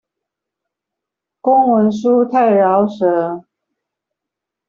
公文書太饒舌